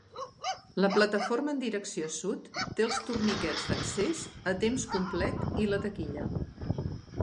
La plataforma en direcció sud té els torniquets d'accés a temps complet i la taquilla.